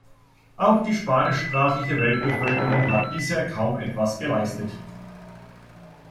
Auch die spanischsprachige Weltbevölkerung hat bisher kaum etwas geleistet.